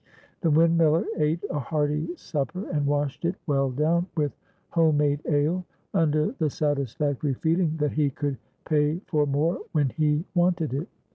The windmiller ate a hearty supper and washed it well down with home made ale, under the satisfactory feeling that he could pay for more when he wanted it.